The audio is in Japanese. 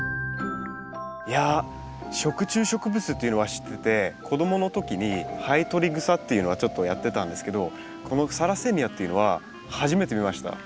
いや食虫植物っていうのは知ってて子供の時にハエトリグサっていうのはちょっとやってたんですけどこのサラセニアっていうのは初めて見ました。